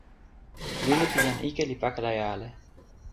wile pi jan ike li pakala e ale.